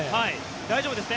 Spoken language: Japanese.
大丈夫ですね？